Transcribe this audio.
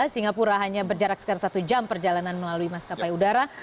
singapura hanya berjarak sekitar satu jam perjalanan melalui maskapai udara